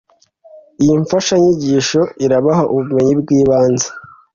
iyi mfashanyigisho irabaha ubumenyi bw'ibanze